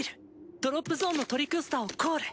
ドロップゾーンのトリクスタをコール！